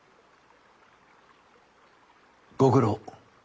ご苦労。